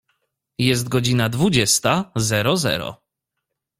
Jest godzina dwudziesta zero zero.